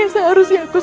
yang saya harus menutupi